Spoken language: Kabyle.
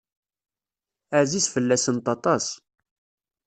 Ɛziz fell-asent aṭas.